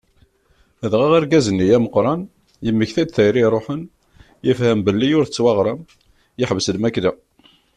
Dγa argaz-nni ameqran, yemmekta-d tayri i iruḥen, yefhem belli ur d-tettwaγram, yeḥbes lmakla.